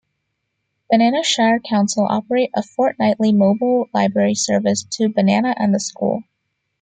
Banana Shire Council operate a fortnightly mobile library service to Banana and the school.